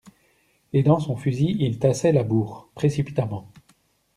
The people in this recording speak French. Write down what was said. Et, dans son fusil, il tassait la bourre, précipitamment.